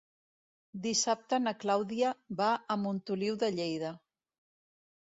Dissabte na Clàudia va a Montoliu de Lleida.